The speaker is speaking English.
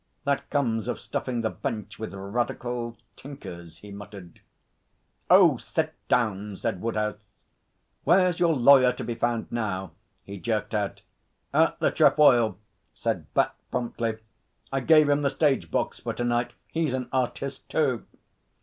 That comes of stuffing the Bench with radical tinkers,' he muttered. 'Oh, sit down!' said Woodhouse. 'Where's your lawyer to be found now?' he jerked out. 'At the Trefoil,' said Bat promptly. 'I gave him the stage box for to night. He's an artist too.'